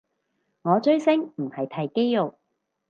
我追星唔係睇肌肉